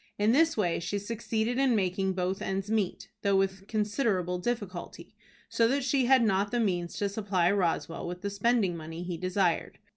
In this way she succeeded in making both ends meet, though with considerable difficulty, so that she had not the means to supply Roswell with the spending money he desired.